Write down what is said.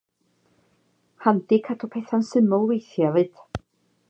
Handi cadw pethe'n syml weithiau 'fyd!